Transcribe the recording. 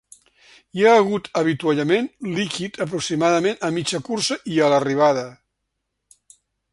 Hi ha hagut avituallament líquid aproximadament a mitja cursa i a l’arribada.